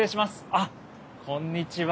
あっこんにちは。